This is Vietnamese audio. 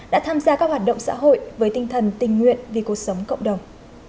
đã tham gia các hoạt động xã hội với tinh thần tình nguyện vì cuộc sống cộng đồng